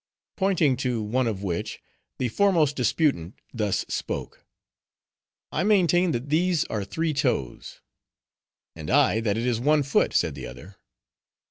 Pointing to one of which, the foremost disputant thus spoke:—"I maintain that these are three toes." "And I, that it is one foot," said the other.